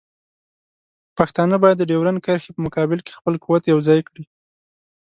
پښتانه باید د ډیورنډ کرښې په مقابل کې خپل قوت یوځای کړي.